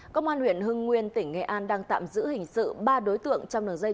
công an huyện hưng nguyên tỉnh nghệ an đang tạm giữ hình sự ba đối tượng trong đường dây